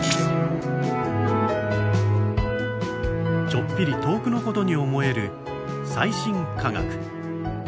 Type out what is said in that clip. ちょっぴり遠くのことに思える最新科学。